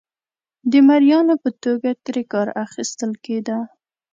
د مریانو په توګه ترې کار اخیستل کېده.